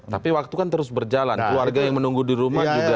tapi waktu kan terus berjalan keluarga yang menunggu di rumah juga